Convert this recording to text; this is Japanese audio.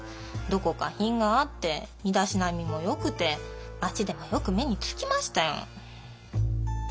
どこか品があって身だしなみもよくて町でもよく目につきましたよ。